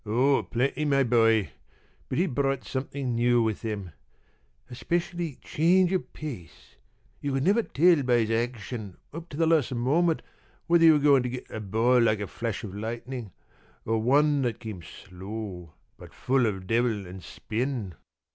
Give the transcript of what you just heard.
p> "Oh, plenty, my boy. But he brought something new with him. Especially change of pace you could never tell by his action up to the last moment whether you were going to get a ball like a flash of lightning, or one that came slow but full of devil and spin.